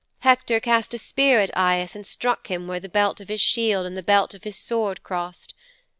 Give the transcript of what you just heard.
Hector cast a spear at Aias and struck him where the belt of his shield and the belt of his sword crossed.